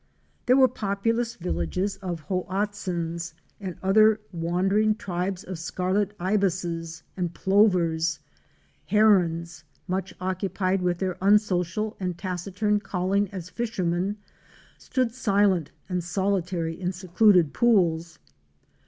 There were populous villages of A WOMAN'S EXPERIENCES IN VENEZUELA. 81 Hoatzins and great wandering tribes of Scarlet Ibises and Plovers; Herons, much occupied with their unsocial and taciturn calling as fishermen, stood silent and solitary in secluded pools.